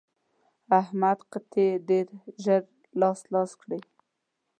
احمد قطعې ډېر ژر لاس لاس کړې.